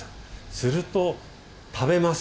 すると食べます。